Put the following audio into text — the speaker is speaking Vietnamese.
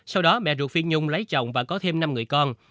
sau đó mẹ ruột phiên nhung lấy chồng và có thêm năm người con